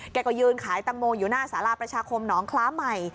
แกก็ยืนขายตังโมอยู่หน้าสาราประชาคมหนองคล้าใหม่